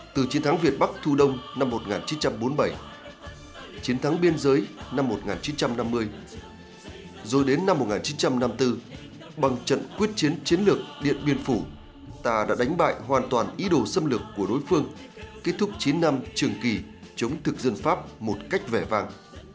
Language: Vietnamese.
từ chiến thắng việt bắc thu đông năm một nghìn chín trăm bốn mươi bảy chiến thắng biên giới năm một nghìn chín trăm năm mươi rồi đến năm một nghìn chín trăm năm mươi bốn bằng trận quyết chiến chiến lược điện biên phủ ta đã đánh bại hoàn toàn ý đồ xâm lược của đối phương kết thúc chín năm trường kỳ chống thực dân pháp một cách vẻ vàng